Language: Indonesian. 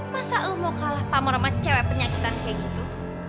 masa lo mau kalah pamor amat cewek penyakitan kayak gitu